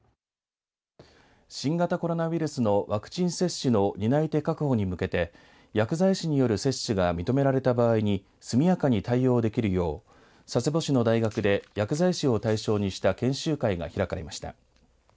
新型コロナウイルスのワクチン接種の担い手確保に向けて薬剤師による接種が認められた場合に速やかに対応できるよう佐世保市の大学で薬剤師を対象にした研修会が開かれました。